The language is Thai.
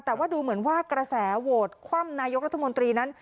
แต่ว่าดูเหมือนว่ากระแสโหวตคว่ำนายกรัฐมนตรีนั้น